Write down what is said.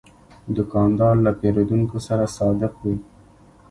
دوکاندار له پیرودونکو سره صادق وي.